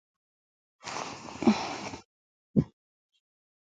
د افغانستان په جغرافیه کې انګور ستر اهمیت لري.